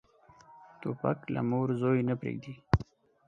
توپک له مور زوی نه پرېږدي.